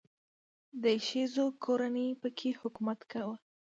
د شیزو کورنۍ په کې حکومت کاوه.